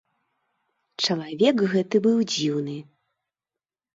Чалавек гэты быў дзіўны.